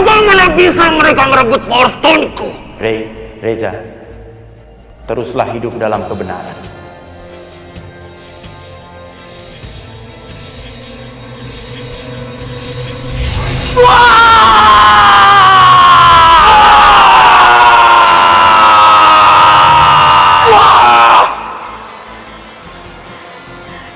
k provincial hati main imajem tapi inget veces gak berhenti basement ukuran aku are